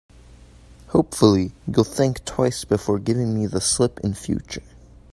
Hopefully, you'll think twice before giving me the slip in future.